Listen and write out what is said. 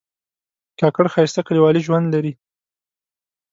کاکړ ښایسته کلیوالي ژوند لري.